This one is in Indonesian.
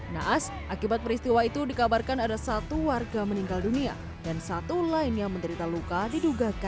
naas akibat peristiwa itu dikabarkan ada satu warga meninggal dunia dan satu lain yang menderita luka diduga